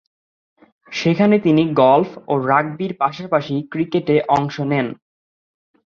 সেখানে তিনি গল্ফ ও রাগবি’র পাশাপাশি ক্রিকেটে অংশ নেন।